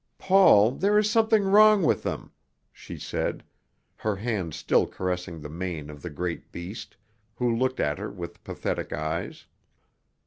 "Paul, there is something wrong with them," she said, her hand still caressing the mane of the great beast, who looked at her with pathetic eyes.